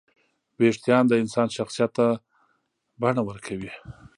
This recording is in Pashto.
وېښتيان د انسان شخصیت ته بڼه ورکوي.